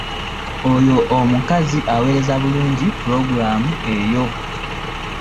Oyo omukazi awereza bulungi pulogulaamu eyo.